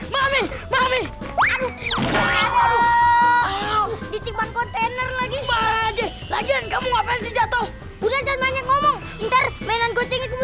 lagi lagian kamu apaan sih jatuh udah jangan banyak ngomong